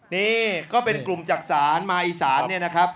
นี่ก็เป็นกลุ่มจักษานมาอีสานเนี่ยนะครับ